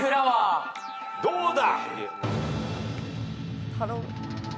どうだ？